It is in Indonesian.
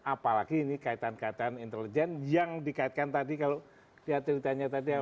apalagi ini kaitan kaitan intelijen yang dikaitkan tadi kalau lihat ceritanya tadi